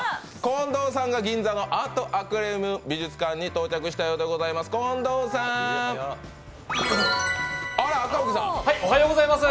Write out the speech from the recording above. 近藤さんが銀座のアートアクアリウム美術館に到着したようでございます。